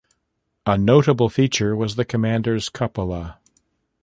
A notable feature was the commander's cupola.